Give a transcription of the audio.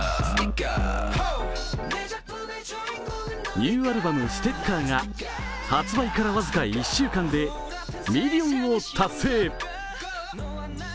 ニューアルバム「Ｓｔｉｃｋｅｒ」が発売から僅か１週間でミリオンを達成。